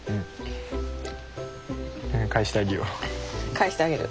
かえしてあげる？